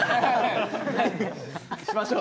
しましょう！